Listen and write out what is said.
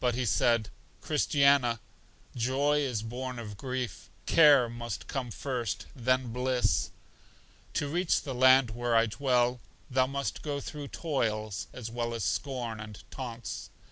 But he said, Christiana, joy is born of grief: care must come first, then bliss. To reach the land where I dwell, thou must go through toils, as well as scorn and taunts.